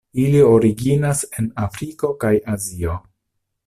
Ili originas en Afriko kaj Azio.